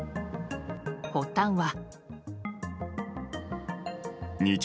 発端は。